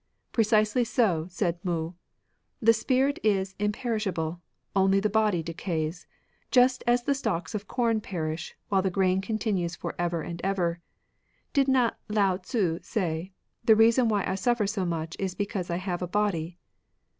" Precisely so, said Mou. The soul is imperish able ; only the body decays, just as the stalks of com perish, while the grain continues for ever and ever. Did not Lao Tzu say, ' The reason why I suffer so much is because I have a body'?